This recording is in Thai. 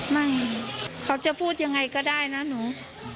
ไม่เขาจะพูดยังไงก็ได้นะหนู